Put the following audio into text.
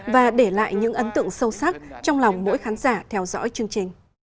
và để lại những ấn tượng sâu sắc trong lòng mỗi khán giả theo dõi chương trình